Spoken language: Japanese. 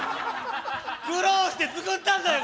苦労して作ったんだよ